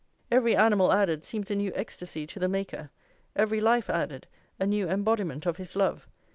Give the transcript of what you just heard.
Every animal added seems a new ecstasy to the Maker; every life added, a new embodiment of his love.